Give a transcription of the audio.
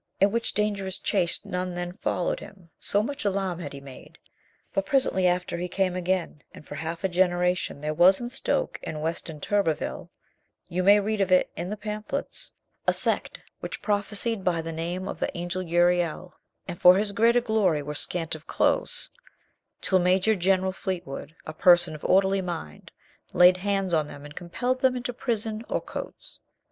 In which dangerous chase none then followed him, so much alarm had he made. But presently after, he came again, and for half a generation there was in Stoke and Weston Turberville (you may read of it in the pamphlets) a sect which prophesied by 86 COLONEL GREATHEART the name of the Angel Uriel, and for his greater glory were scant of clothes, till Major General Fleet wood, a person of orderly mind, laid hands on them and compelled them into prison or coats.